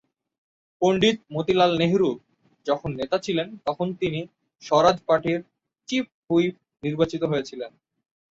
পণ্ডিত মতিলাল নেহেরু যখন নেতা ছিলেন তখন তিনি স্বরাজ পার্টির চিফ হুইপ নির্বাচিত হয়েছিলেন।